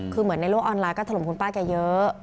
คือเหมือนในโลกออนไลน์ก็ถล่มคุณป้าแกเยอะ